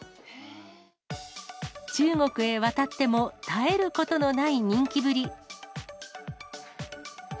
中国へ渡っても、絶えることのない人気ぶり。